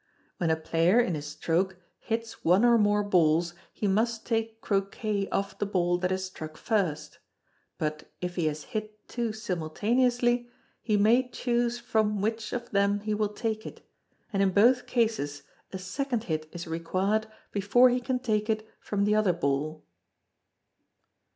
When a player, in his stroke, hits one or more balls, he must take Croquet off the ball that is struck first; but if he has hit two simultaneously, he may choose from which of them he will take it, and in both cases a second hit is required before he can take it from the other ball.